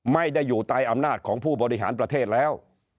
ไม่ได้อยู่ใต้อำนาจของผู้บริหารประเทศแล้ว